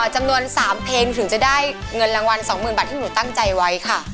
จำนวน๓เพลงถึงจะได้เงินรางวัล๒๐๐๐บาทที่หนูตั้งใจไว้ค่ะ